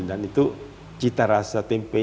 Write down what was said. dan itu cita rasa tempe